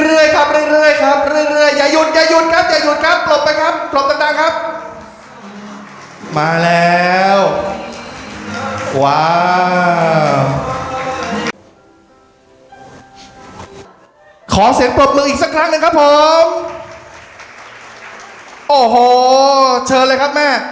อืมอย่าอย่าไม่ต้องรับไม่ต้องรับตัวด้วยอ่า